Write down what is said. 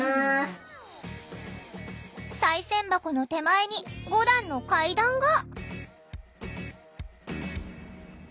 さい銭箱の手前に５段の階段が。